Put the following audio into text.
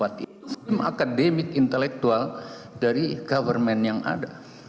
sistem akademik intelektual dari government yang ada